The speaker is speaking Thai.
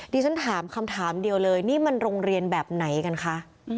ที่ฉันถามคำถามเดียวเลยนี่มันโรงเรียนแบบไหนกันคะ